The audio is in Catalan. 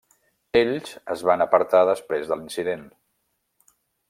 Ells es van apartar després de l'incident.